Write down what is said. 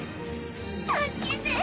助けて！